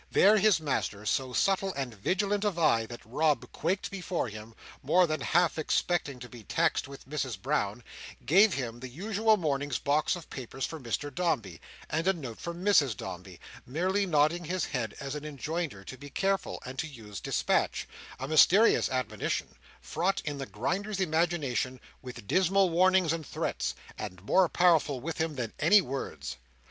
There his master, so subtle and vigilant of eye, that Rob quaked before him, more than half expecting to be taxed with Mrs Brown, gave him the usual morning's box of papers for Mr Dombey, and a note for Mrs Dombey: merely nodding his head as an enjoinder to be careful, and to use dispatch—a mysterious admonition, fraught in the Grinder's imagination with dismal warnings and threats; and more powerful with him than any words.